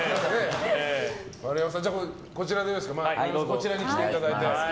こちらに来ていただいて。